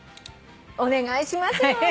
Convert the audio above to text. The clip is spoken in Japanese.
お願いしますよ。